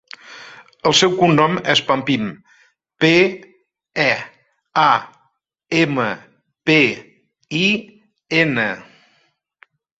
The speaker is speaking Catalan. El seu cognom és Pampin: pe, a, ema, pe, i, ena.